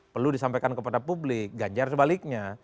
perlu disampaikan kepada publik ganjar sebaliknya